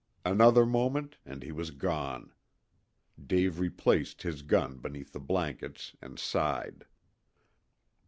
Another moment and he was gone. Dave replaced his gun beneath the blankets and sighed.